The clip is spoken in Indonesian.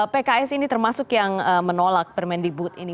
pks ini termasuk yang menolak permendikbud ini